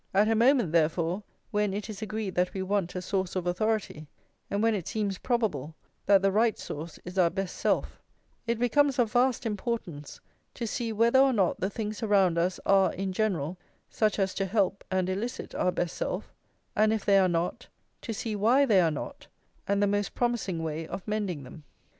At a moment, therefore, when it is agreed that we want a source of authority, and when it seems probable that the right source is our best self, it becomes of vast importance to see whether or not the things around us are, in general, such as to help and elicit our best self, and if they are not, to see why they are not, and the most promising way of mending them.